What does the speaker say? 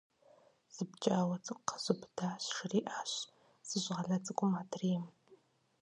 Сэ пкӏауэ цӏыкӏу къзубыдащ! – жриӏащ зы щӏалэ цӏыкӏум адрейм.